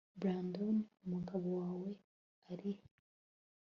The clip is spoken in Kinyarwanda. brandon umugabo wawe ari he